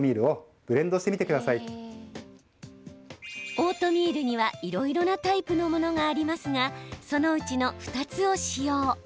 オートミールにはいろいろなタイプのものがありますがそのうちの２つを使用。